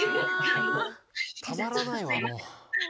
たまらないわもう。